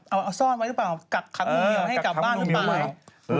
เอาซ่อนไว้แล้วกลับคลับกมหนูเหมาให้กลับบ้านทุกวัน